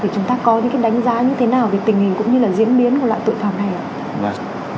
chúng ta có đánh giá như thế nào về tình hình cũng như diễn biến của loại tội phạm này không ạ